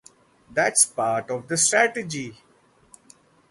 That's part of the strategy.